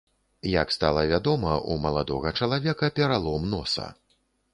Як стала вядома, у маладога чалавека пералом носа.